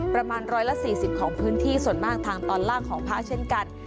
ประมาณ๑๔๐ของพื้นที่ส่วนมากทางตอนล่างของภาคเช่นกัน